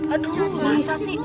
aduh masa sih